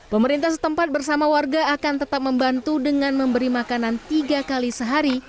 pemerintah setempat bersama warga akan tetap membantu dengan memberi makanan tiga kali sehari